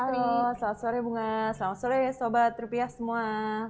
halo selamat sore bunga selamat sore sahabat rupiah semua